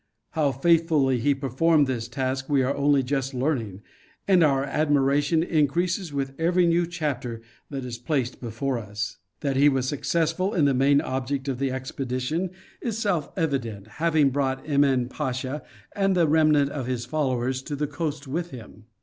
How faithfully he performed this task we are only just learning, and our admiration increases with every new chap ter that is placed before us. That he was successful in the main object of the expedition is self evident, having brought Emin . Pasha and the remnant of his followers to the coast with him.